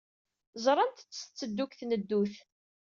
Ẓrant-tt tetteddu deg tneddut.